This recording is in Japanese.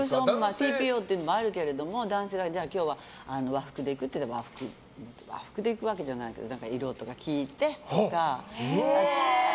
ＴＰＯもあるけど男性が今日は和服で行くってなったら私も和服で行くわけじゃないけど色とか聞いてとか。